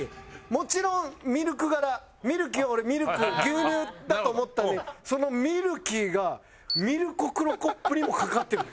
もちろんミルク柄「ミルキー」は俺ミルク牛乳だと思ったんでその「ミルキー」が「ミルコ・クロコップ」にもかかってる。